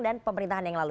dan pemerintahan yang lalu